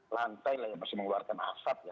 lantai lah yang masih mengeluarkan asap ya